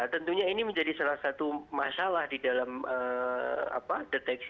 tentunya ini menjadi salah satu masalah di dalam deteksi ini terasa ketika ada perubahan kriteria itu